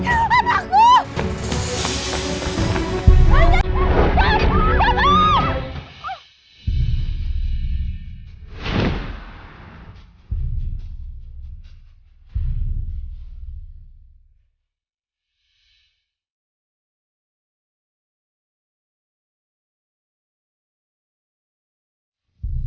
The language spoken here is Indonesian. jangan jangan jangan